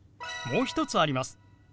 もう一つあります。